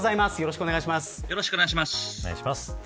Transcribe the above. よろしくお願いします。